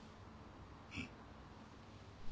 うん。